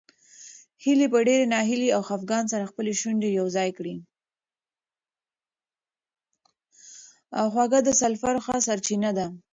هوږه د سلفر ښه سرچینه ده.